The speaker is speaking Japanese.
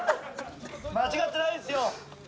間違ってないですよ。